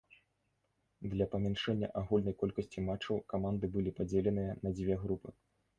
Для памяншэння агульнай колькасці матчаў каманды былі падзеленыя на дзве групы.